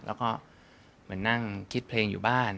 แล้วก็เหมือนนั่งคิดเพลงอยู่บ้าน